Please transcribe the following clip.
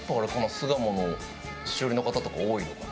巣鴨のお年寄りの方とか多いのかな？